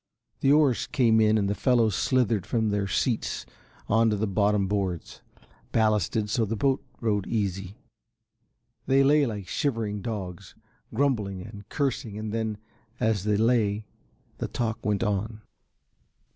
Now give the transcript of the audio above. The oars came in and the fellows slithered from their seats on to the bottom boards. Ballasted so the boat rode easy. They lay like shivering dogs, grumbling and cursing and then, as they lay, the talk went on.